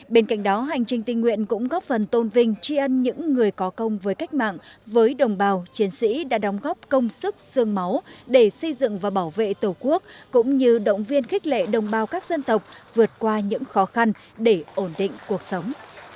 bên cạnh đó hành trình tình nguyện cũng góp phần tôn vinh tri ân những người có công với cách mạng với đồng bào chiến sĩ đã đóng góp công sức sương máu để xây dựng và bảo vệ tổ quốc cũng như động viên khích lệ đồng bào các dân tộc vượt qua những khó khăn để ổn định cuộc sống